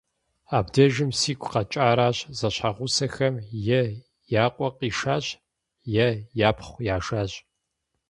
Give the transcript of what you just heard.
Абдежым сигу къэкӀаращ: зэщхьэгъусэхэм е я къуэ къишащ, е япхъу яшащ.